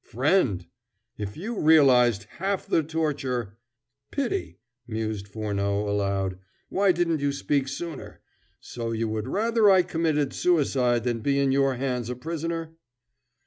"Friend! If you realized half the torture " "Pity!" mused Furneaux aloud. "Why didn't you speak sooner? So you would rather I committed suicide than be in your hands a prisoner?"